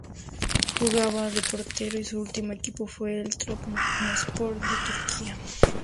Jugaba de portero y su ultimo equipo fue el Trabzonspor de Turquía.